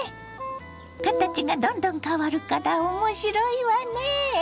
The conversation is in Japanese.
形がどんどん変わるからおもしろいわね。